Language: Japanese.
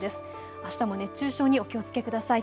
あしたも熱中症にお気をつけください。